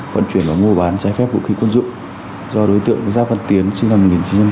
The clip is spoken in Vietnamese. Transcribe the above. vận chuyển và mua bán trái phép vũ khí quân dụng do đối tượng giáp văn tiến sinh năm một nghìn chín trăm tám mươi